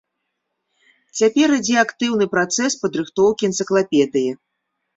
Цяпер ідзе актыўны працэс падрыхтоўкі энцыклапедыі.